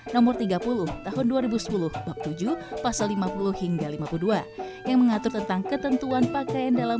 nomor tiga puluh tahun dua ribu sepuluh bab tujuh pasal lima puluh hingga lima puluh dua yang mengatur tentang ketentuan pakaian dalam